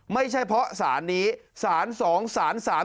ไม่ใช่เพราะศาลนี้ศาลสองศาลสาม